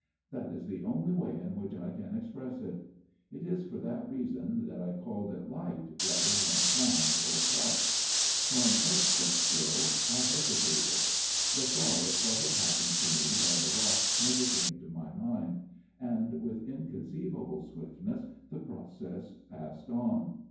That is the only way in which I can express it. It is for that reason that I called it light, rather than sound or touch. For an instant, still, I hesitated. 108 A MIRROR OF SHALOTT The thought of what had happened to me by the rock never came to my mind ; and with incon ceivable swiftness the process passed on.